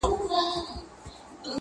شاعره ياره ستا قربان سمه زه.